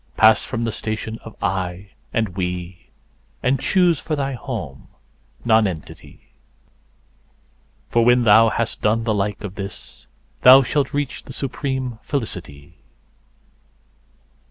Pass from the station of "I" and "We," and choose for thy home Nonentity, For when thou has done the like of this, thou shalt reach the supreme Felicity.